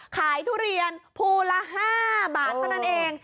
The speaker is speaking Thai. ขายทุเรียนฟูลละ๕บาทเพราะนั่นเอง